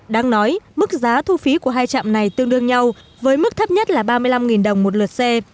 đáng nói mức giá thu phí của hai trạm này tương đương nhau với mức thấp nhất là ba mươi năm đồng một lượt xe